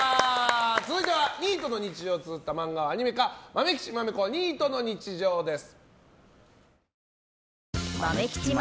続いては、ニートの日常をつづった漫画をアニメ化「まめきちまめこニートの日常」です！